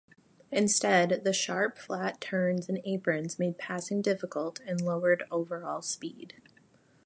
Instead, the sharp, flat turns and aprons made passing difficult and lowered overall speed.